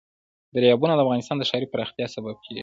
دریابونه د افغانستان د ښاري پراختیا سبب کېږي.